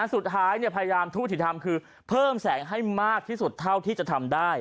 สุดท้ายพยายามทูตที่ทำคือเพิ่มแสงให้มากที่สุดเท่าที่จะทำได้